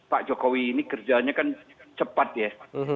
pak jokowi ini kerjanya kan cepat ya